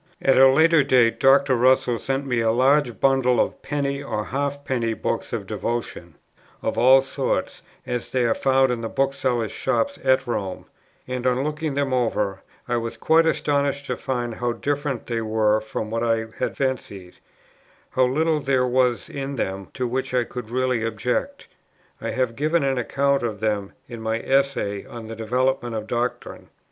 At a later date Dr. Russell sent me a large bundle of penny or half penny books of devotion, of all sorts, as they are found in the booksellers' shops at Rome; and, on looking them over, I was quite astonished to find how different they were from what I had fancied, how little there was in them to which I could really object. I have given an account of them in my Essay on the Development of Doctrine.